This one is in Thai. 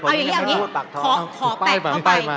เอายังงี้ขอแปะเข้าไป